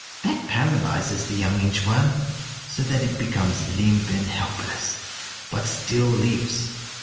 That paralyzes the young inch worm, so that it becomes limp and helpless, but still lives.